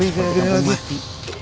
seperti kampung mati